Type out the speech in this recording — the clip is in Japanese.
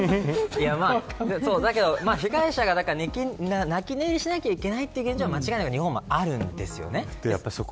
だから、被害者が泣き寝入りしなきゃいけないという現状は間違いなく日本はあるんですよね。